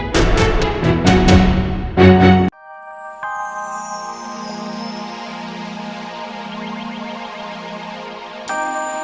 sampai jumpa di video selanjutnya